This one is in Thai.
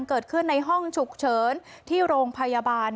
เกิดขึ้นในห้องฉุกเฉินที่โรงพยาบาล